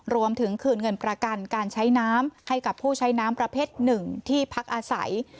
รวมถึงคืนเงินประกันการใช้น้ำให้กับผู้ใช้น้ำประเภทหนึ่งที่พักอาศัย